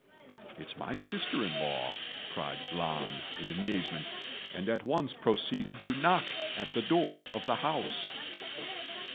"It's my sister in law," cried Lan, in amazement, and at once proceeded to knock at the door of the house.